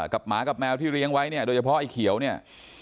หมากับแมวที่เลี้ยงไว้เนี่ยโดยเฉพาะไอ้เขียวเนี่ย